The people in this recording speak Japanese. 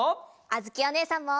あづきおねえさんも。